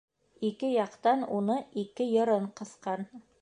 Ике яҡтан уны ике йырын ҡыҫҡан.